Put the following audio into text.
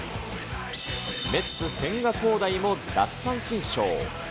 メッツ、千賀滉大も奪三振ショー。